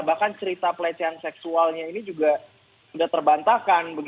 bahkan cerita pelecehan seksualnya ini juga sudah terbantahkan